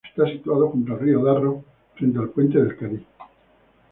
Está situado junto al río Darro, frente al Puente del Cadí.